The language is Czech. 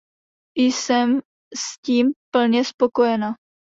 Jsem s tím plně spokojena.